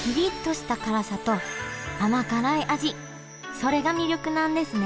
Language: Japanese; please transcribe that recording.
それが魅力なんですね